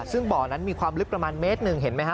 ซึ่งบ่อนั้นมีความลึกประมาณเมตรหนึ่งเห็นไหมฮะ